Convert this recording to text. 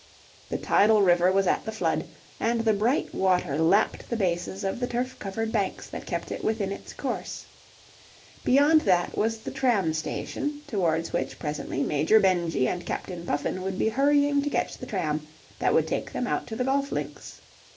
The tidal river was at the flood, and the bright water lapped the bases of the turf covered banks that kept it within its course. Beyond that was the tram station towards which presently Major Benjy and Captain Puffin would be hurrying to catch the tram that would take them out to the golf links.